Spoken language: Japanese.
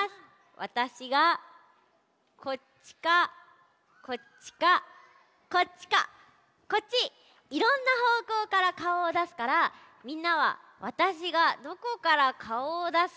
わたしがこっちかこっちかこっちかこっちいろんなほうこうからかおをだすからみんなはわたしがどこからかおをだすかよそうしてあててみてね。